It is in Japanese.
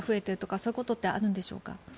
そういうことってあるんでしょうか？